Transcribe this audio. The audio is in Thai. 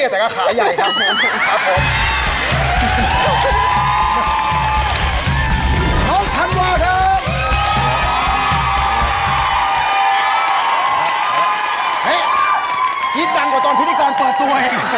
คิดดังกว่าตอนพิธีกรเปิดตัวเอง